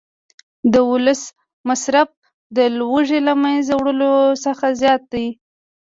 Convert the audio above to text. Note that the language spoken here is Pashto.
د وسلو مصرف د لوږې له منځه وړلو څخه زیات دی